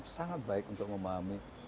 sangat baik untuk memahami